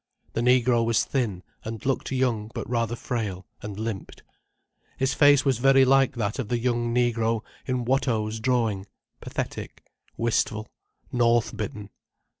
The negro was thin, and looked young but rather frail, and limped. His face was very like that of the young negro in Watteau's drawing—pathetic, wistful, north bitten.